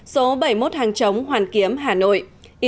số bảy mươi một hàng chống hoàn kiếm hà nội